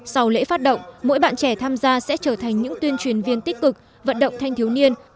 sau lễ phát động mỗi bạn trẻ tham gia sẽ trở thành những tuyên truyền viên tích cực vận động thanh thiếu niên